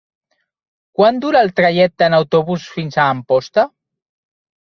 Quant dura el trajecte en autobús fins a Amposta?